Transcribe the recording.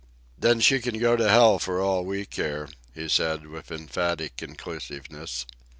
"Then she can go to hell for all we care," he said, with emphatic conclusiveness.